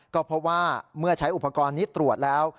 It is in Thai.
ก็เพราะว่าเมื่อใช้อุปกรณ์นี้ตรวจแล้ว